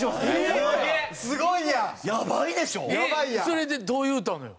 それでどう言うたのよ？